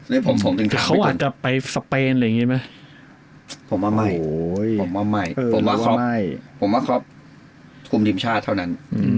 นี่ผมถึงถามไปก่อนผมว่าไม่ผมว่าครอบคุมทีมชาติเท่านั้น